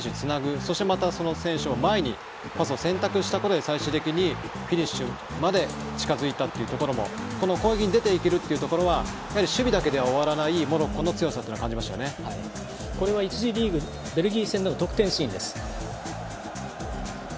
そして前にパスを選択したことで最終的にフィニッシュまで近づいたというところもこの攻撃に出ていけるというところはやはり守備だけでは終わらないモロッコの強さというのはこれは１次リーグベルギー戦での得点シーンです。